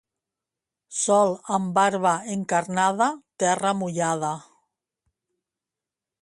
Sol amb barba encarnada, terra mullada.